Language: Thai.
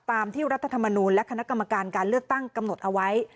ตามที่รัฐธรรมนูลและคณะกรรมการการเลือกตั้งกำหนดเอาไว้